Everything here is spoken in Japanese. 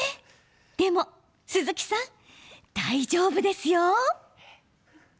でも、鈴木さん大丈夫ですよ！